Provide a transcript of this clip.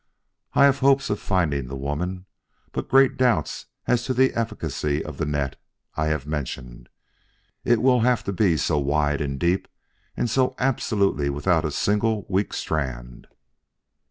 I have hopes of finding the woman, but great doubts as to the efficacy of the net I have mentioned; it will have to be so wide and deep, and so absolutely without a single weak strand."